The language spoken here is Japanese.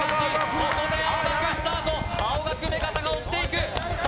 ここで青学スタート青学・目片が追っていくさあ